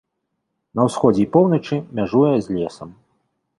На ўсходзе і поўначы мяжуе з лесам.